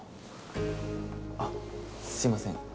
あっすいません。